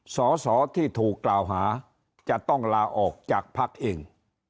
สอสอที่ถูกกล่าวหาจะต้องลาออกจากภักดิ์เอง